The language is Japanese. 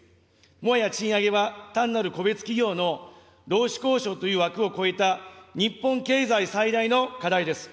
もはや賃上げは単なる個別企業の労使交渉という枠を超えた日本経済最大の課題です。